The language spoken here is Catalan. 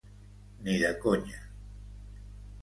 Ni de conya!